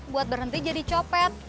buat berhenti jadi copet